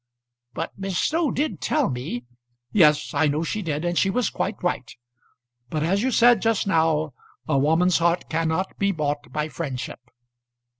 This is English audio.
But Miss Snow did tell me " "Yes, I know she did, and she was quite right. But as you said just now, a woman's heart cannot be bought by friendship.